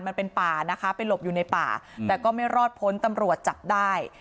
มันเป็นป่านะคะไปหลบอยู่ในป่าแต่ก็ไม่รอดพ้นตำรวจจับได้